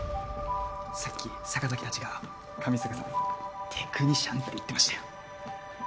さっき坂崎たちが上坂さんテクニシャンって言ってましたよ。